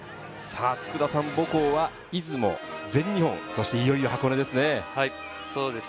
佃さん、母校は出雲、全日本、そしていよいよ箱根ですね。